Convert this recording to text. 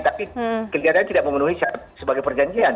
tapi kelihatannya tidak memenuhi syarat sebagai perjanjian